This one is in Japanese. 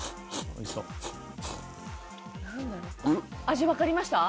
味わかりました？